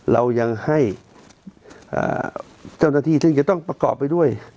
เรายังให้อ่าจังหลักฐีซึ่งจะต้องประกอบไปด้วย